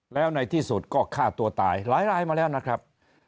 แล้วในที่สุดก็ฆ่าตัวตายหลายรายมาแล้วนะครับ